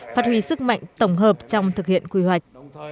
phát huy sức mạnh tổng hợp trong thực hiện quy hoạch